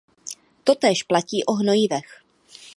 Totéž platí o hnojivech.